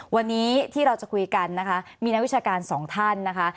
วันนี้ที่เราจะคุยกันนะคะมีนักวิชาการสองท่านนะคะ